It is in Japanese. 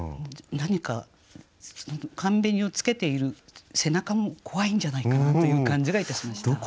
何か寒紅をつけている背中も怖いんじゃないかなという感じがいたしました。